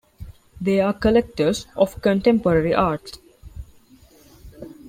They are collectors of contemporary art.